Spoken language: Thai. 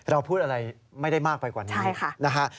เราพูดอะไรไม่ได้มากไปกว่า